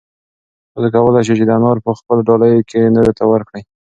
تاسو کولای شئ چې انار په خپلو ډالیو کې نورو ته ورکړئ.